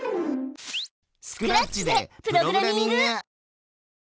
スクラッチでプログラミング！